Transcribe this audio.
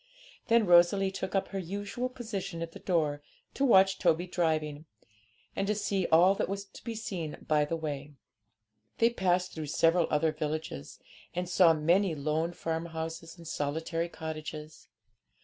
Then Rosalie took up her usual position at the door, to watch Toby driving, and to see all that was to be seen by the way. They passed through several other villages, and saw many lone farmhouses and solitary cottages.